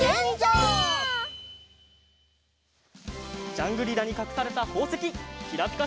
ジャングリラにかくされたほうせききらぴか